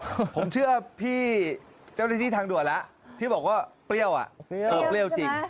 เออผมเชื่อพี่เจ้าตรงนี้ทางด่วนแล้วพี่บอกว่าเปรี้ยวอ่ะเปรี้ยวจริง